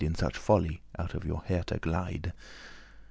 Let such folly out of your hearte glide.